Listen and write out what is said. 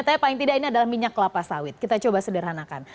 tapi paling tidak ini adalah minyak kelapa sawit kita coba sederhanakan